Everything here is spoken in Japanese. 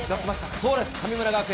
そうです、神村学園。